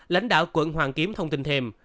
lãnh đạo quận hoàng kiếm thông tin thêm